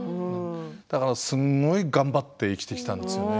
だからすごい頑張って生きてきたんですよね。